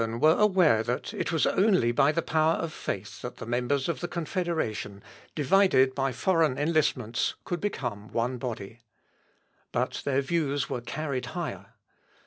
] The men of Einsidlen were aware that it was only by the power of faith that the members of the Confederation, divided by foreign enlistments, could become one body. But their views were carried higher.